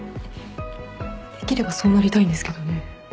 「できればそうなりたいんですけどね」